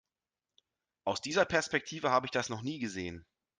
Aus dieser Perspektive habe ich das noch nie gesehen.